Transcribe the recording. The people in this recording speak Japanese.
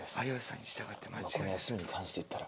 この『休み』に関して言ったら。